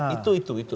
itu itu itu